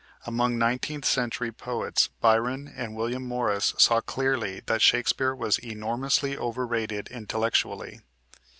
Among nineteenth century poets Byron and William Morris saw clearly that Shakespeare was enormously overrated intellectually.